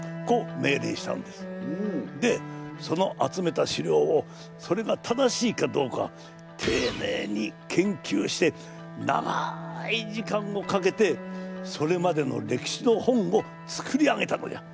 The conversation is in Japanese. でその集めた史料をそれが正しいかどうかていねいに研究して長い時間をかけてそれまでの歴史の本を作り上げたのじゃ。